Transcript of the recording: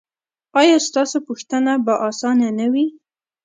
ایا ستاسو پوښتنه به اسانه نه وي؟